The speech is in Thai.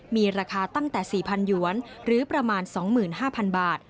มีราคาตั้งแต่๔๐๐หยวนหรือประมาณ๒๕๐๐๐บาท